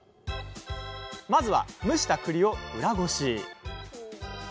まずは蒸したくりを裏ごし。